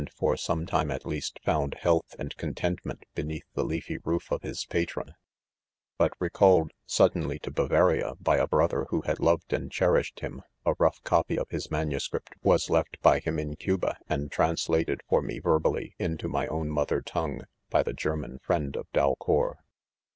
for some time, at le&Bt,. found, health and contentment beneath , the leafy roof of his. patron ; but recalled sud denly to BaYarla, by a brother who had loyed and cherished Mm; :: a.poiigh copy. of his MS. was left, him in;; Cuba, . and translated for me verbally^ into my own mother . tongue, by the. German friend of Dalcour.